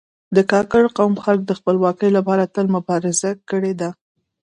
د کاکړ قوم خلک د خپلواکي لپاره تل مبارزه کړې ده.